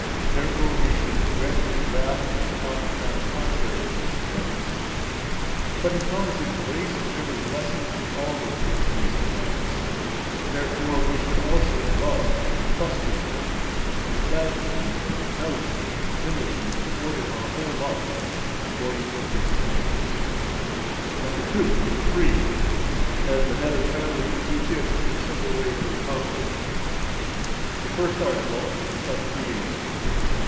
Therefore we should dread His wrath and not act contrary to these commandments. But He promises grace and every blessing to all that keep these commandments. Therefore we should also love and trust in Him, and gladly do [zealously and diligently order our whole life] according to His commandments. II. The Creed As the head of the family should teach it in a simple way to his household. The First Article. Of Creation.